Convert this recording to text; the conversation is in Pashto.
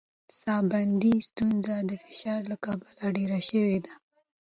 ساه بندي ستونزه د فشار له کبله ډېره شوې ده.